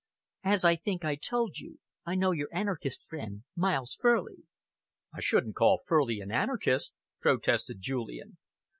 As I think I told you, I know your anarchist friend, Miles Furley." "I shouldn't call Furley an anarchist," protested Julian.